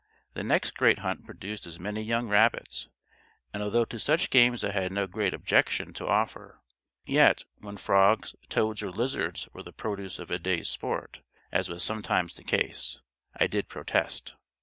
The next great hunt produced as many young rabbits, and although to such games I had no great objection to offer; yet, when frogs, toads, or lizards were the produce of a day's sport, as was sometimes the case, I did protest.